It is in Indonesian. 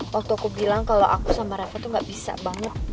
waktu aku bilang kalau aku sama revo tuh gak bisa banget